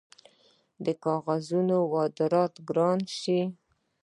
د کاغذ واردات ګران شوي؟